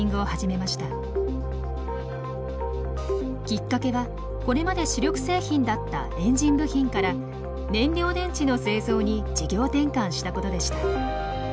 きっかけはこれまで主力製品だったエンジン部品から燃料電池の製造に事業転換したことでした。